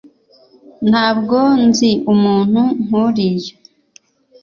ntabwo nzi umuntu nkuriya